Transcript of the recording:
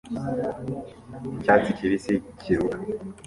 Icyatsi kibisi kiruka